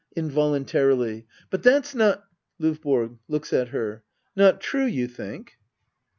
[Involuntarily,] But that's not LdVBORO. [Looks at her.] Not true, you think